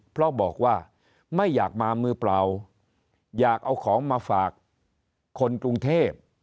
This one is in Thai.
เพราะบอกว่าไม่อยากมามือเปล่าอยากเอาของมาฝากคนกรุงเทพ